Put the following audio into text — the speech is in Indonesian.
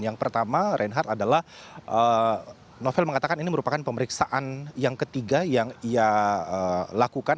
yang pertama reinhardt adalah novel mengatakan ini merupakan pemeriksaan yang ketiga yang ia lakukan